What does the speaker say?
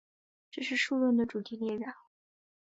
这是数论的主题列表。